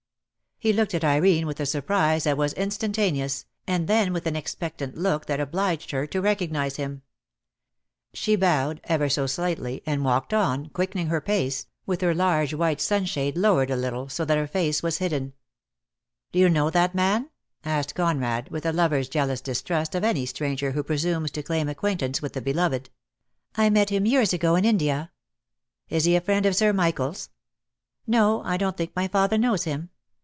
He looked at Irene with a surprise that was instantaneous, and then with an expectant look that obliged her to recognise him. She bowed, ever so slightly, and walked on, quickening her pace, with. Dead Love has Chains, 1 4 2IO DEAD LOVE HAS CHAINS. her large white sunshade lowered a little, so that her face was hidden. "Do you know that man?" asked Conrad, with a lover's jealous distrust of any stranger who pre sumes to claim acquaintance with the beloved. "I met him years ago in India." "Is he a friend of Sir Michael's?" "No. I don't think my father knows him."